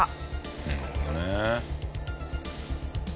なるほどね。